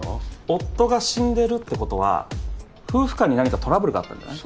夫が死んでるってことは夫婦間に何かトラブルがあったんじゃない？